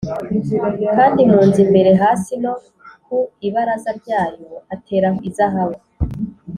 Kandi mu nzu imbere hasi no ku ibaraza ryayo, ateraho izahabu